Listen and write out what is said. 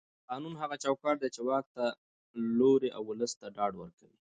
قانون هغه چوکاټ دی چې واک ته لوری او ولس ته ډاډ ورکوي